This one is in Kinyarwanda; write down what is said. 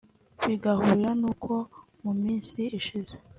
Bigahurira n’uko mu minsi ishize